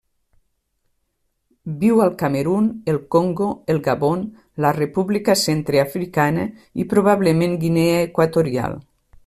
Viu al Camerun, el Congo, el Gabon, la República Centreafricana i, probablement, Guinea Equatorial.